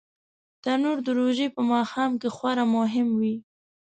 تنور د روژې په ماښام کې خورا مهم وي